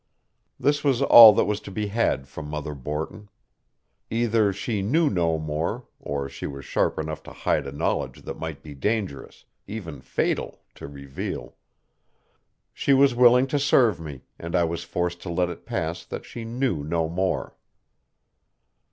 This was all that was to be had from Mother Borton. Either she knew no more, or she was sharp enough to hide a knowledge that might be dangerous, even fatal, to reveal. She was willing to serve me, and I was forced to let it pass that she knew no more.